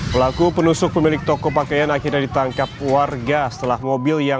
pelaku penusuk pemilik toko pakaian akhirnya ditangkap warga setelah mobil yang